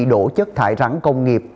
đổ chất thải rắn công nghiệp